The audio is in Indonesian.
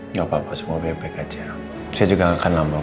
nggak papa semua bebek aja saya juga akan nambah